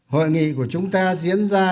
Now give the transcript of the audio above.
hội nghị của chúng ta diễn ra